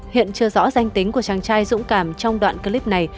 hiện chưa rõ danh tính của chàng trai dũng cảm trong đoạn clip này